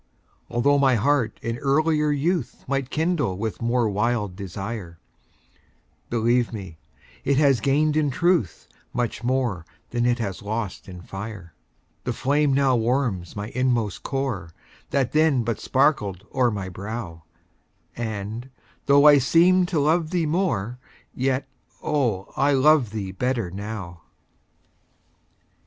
Altho' my heart in earlier youth Might kindle with more wild desire, Believe me, it has gained in truth Much more than it has lost in fire. The flame now warms my inmost core, That then but sparkled o'er my brow, And, though I seemed to love thee more, Yet, oh, I love thee better now.